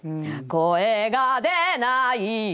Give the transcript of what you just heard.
「声が出ないよ。